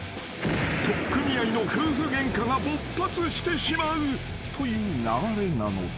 ［取っ組み合いの夫婦ゲンカが勃発してしまうという流れなのだ］